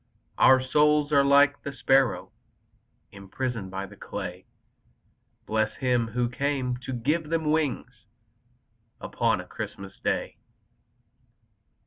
Our souls are like the sparrows Imprisoned in the clay, Bless Him who came to give them wings Upon a Christmas Day!